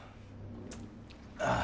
ああ。